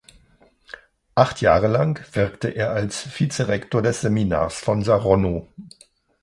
Acht Jahre lang wirkte er als Vizerektor des Seminars von Saronno.